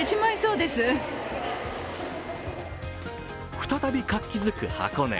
再び活気づく箱根。